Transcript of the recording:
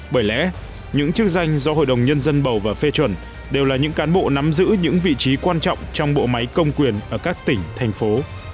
bởi lẽ những chức danh do hội đồng nhân dân bầu và phê chuẩn đều là những cán bộ nắm giữ những vị trí quan trọng trong bộ máy công quyền ở các tỉnh thành phố